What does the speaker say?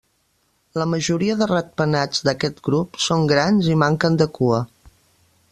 La majoria de ratpenats d'aquest grup són grans i manquen de cua.